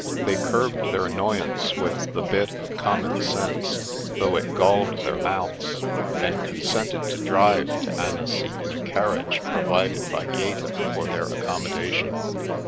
They curbed their annoyance with the bit of com mon sense, though it galled their mouths, and con sented to drive to Annecy in a carriage provided by Gaeti for their accommodation.